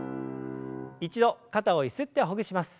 一度肩をゆすってほぐします。